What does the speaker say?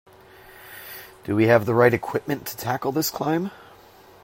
Do we have the right equipment to tackle this climb?